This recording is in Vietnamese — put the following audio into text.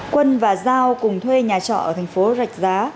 quân và giao cùng thuê nhà trọ ở thành phố rạch giá